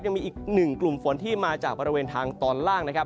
ยังมีอีกหนึ่งกลุ่มฝนที่มาจากบริเวณทางตอนล่างนะครับ